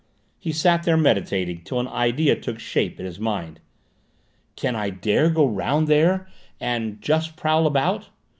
He sat there meditating, till an idea took shape in his mind. "Can I dare to go round there and just prowl about?